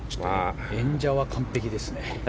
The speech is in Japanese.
演者は完璧ですね。